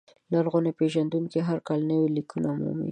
لرغون پېژندونکي هر کال نوي لیکونه مومي.